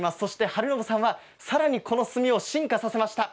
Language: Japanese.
晴信さんはさらにこの墨を進化させました。